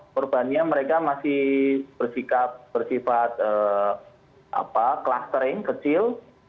korbannya mereka masih bersifat clustering kecil